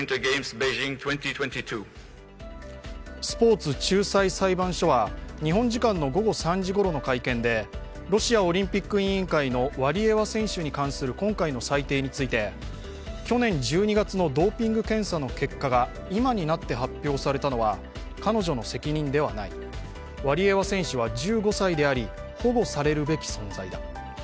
スポーツ仲裁裁判所は、日本時間の午後３時ごろの会見で、ロシアオリンピック委員会のワリエワ選手に関する今回の裁定について去年１２月のドーピング検査の結果が今になって発表されたのは彼女の責任ではない、ワリエワ選手は１５歳であり保護されるべき存在だ